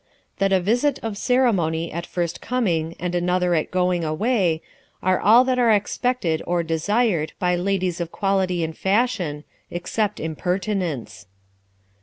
That a visit of ceremony at first coming and another at going away, are all that are expected or desired, by ladies of quality and fashion, except impertinents.